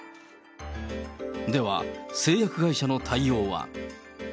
製薬会社の対応は。